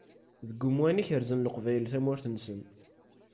Deg umwan i kerzen Leqbayel tamurt-nsen.